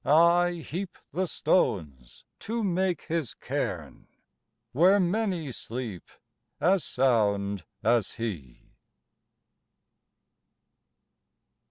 I heap the stones to make his cairn Where many sleep as sound as he.